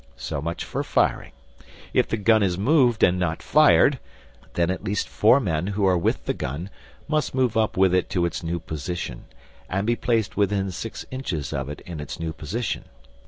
So much for firing. If the gun is moved and not fired, then at least four men who are with the gun must move up with it to its new position, and be placed within six inches of it in its new position.